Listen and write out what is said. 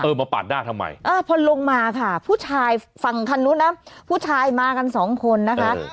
มาปาดหน้าทำไมอ่าพอลงมาค่ะผู้ชายฝั่งคันนู้นนะผู้ชายมากันสองคนนะคะ